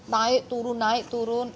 naik turun naik turun